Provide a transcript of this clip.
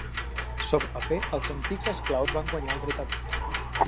Sobre el paper, els antics esclaus van guanyar el dret a vot.